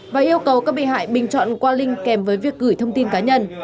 và yêu cầu các bị hại bình chọn qua linh kèm với việc gửi thông tin cá nhân